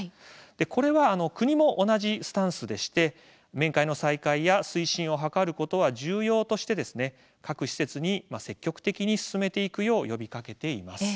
これは国も同じスタンスでして面会の再開や推進を図ることは重要として各施設に積極的に進めていくよう呼びかけています。